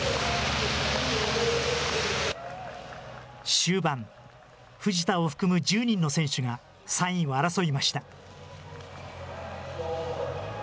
終盤、藤田を含む１０人の選手が、３位を争いました。